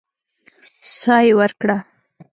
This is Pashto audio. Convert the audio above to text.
سا يې ورکړه.